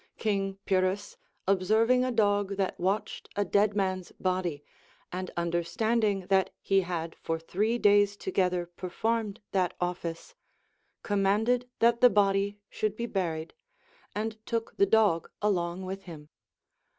King Pyrrhus observing a dog that watched a dead man's body, and understanding that he had for three days together performed that office, commanded that the body should be buried, and took the dog along with him.